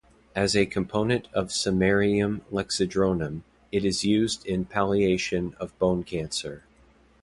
As a component of samarium lexidronam, it is used in palliation of bone cancer.